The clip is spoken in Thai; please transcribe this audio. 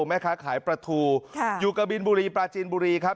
แม่ค้าขายปลาทูอยู่กับบินบุรีปลาจีนบุรีครับ